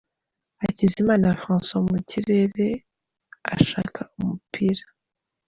Hakizimana Francois mu kirere ashaka umupira .